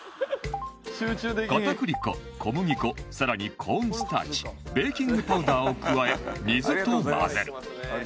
片栗粉小麦粉更にコーンスターチベーキングパウダーを加え水と混ぜる